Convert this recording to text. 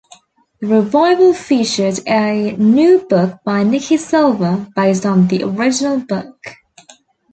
The revival featured a new book by Nicky Silver based on the original book.